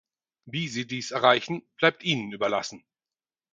Wie sie dies erreichen, bleibt ihnen überlassen.